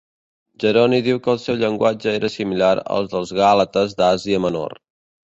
Jeroni diu que el seu llenguatge era similar al dels gàlates d'Àsia Menor.